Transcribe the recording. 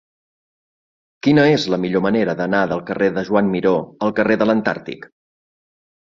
Quina és la millor manera d'anar del carrer de Joan Miró al carrer de l'Antàrtic?